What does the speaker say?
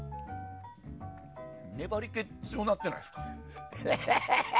粘り気強なってないですか？